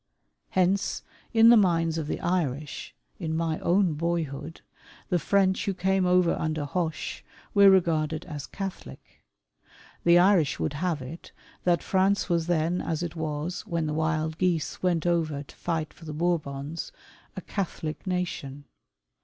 Hence, in the minds of the Irish, in my own boyhood, the French who came over under Hoche, were regarded as Catholic. The Irish would have it, that France was then as it was when the "wild geese" went over to fight for the Bourbons, a Catholic nation.